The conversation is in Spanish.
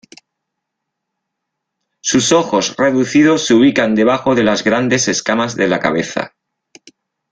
Sus ojos reducidos se ubican debajo de las grandes escamas de la cabeza.